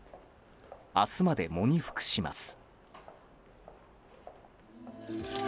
明日まで、喪に服します。